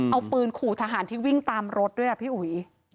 เอาปืนขู่ทหารที่วิ่งตามรถด้วยอ่ะพี่อุ๋ย